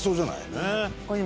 ねえ。